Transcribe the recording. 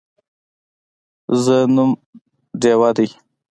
زه نوم ډیوه دی